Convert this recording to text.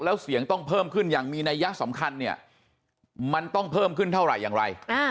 แล้วเสียงต้องเพิ่มขึ้นอย่างมีนัยยะสำคัญเนี่ยมันต้องเพิ่มขึ้นเท่าไหร่อย่างไร